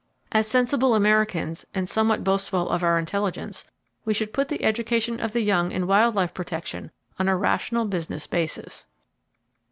As sensible Americans, and somewhat boastful of our intelligence, we should put the education of the young in wild life protection on a rational business basis.